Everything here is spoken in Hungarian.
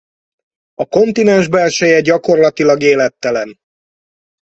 A kontinens belseje gyakorlatilag élettelen.